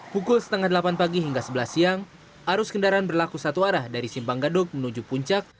pukul setengah delapan pagi hingga sebelas siang arus kendaraan berlaku satu arah dari simpang gadok menuju puncak